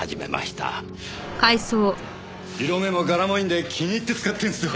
色目も柄もいいので気に入って使ってるんですよ。